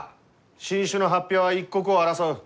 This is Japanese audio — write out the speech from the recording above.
新種の発表は一刻を争う。